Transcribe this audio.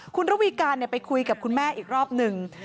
คุณระวีการไปคุยกับคุณแม่อีกรอบหนึ่ง